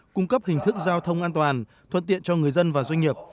cung cấp hình thức giao thông an toàn thuận tiện cho người dân và doanh nghiệp